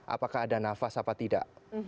apakah ada nafas apa tidak